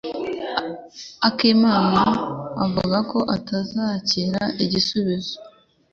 Akimana avuga ko atazakira igisubizo.